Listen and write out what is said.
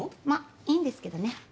まっいいんですけどね。